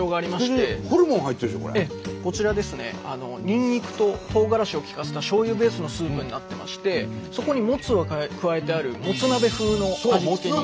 にんにくととうがらしを利かせたしょうゆベースのスープになってましてそこにもつを加えてあるもつ鍋風の味付けに。